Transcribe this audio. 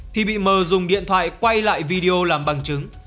thì bị mờ dùng điện thoại quay lại video làm bằng chứng